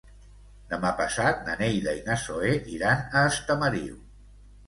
Demà passat na Neida i na Zoè iran a Estamariu.